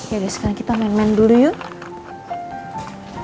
ya udah sekarang kita main main dulu yuk